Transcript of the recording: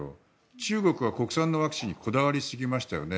中国は国産のワクチンにこだわりすぎましたよね。